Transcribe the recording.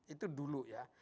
itu dulu ya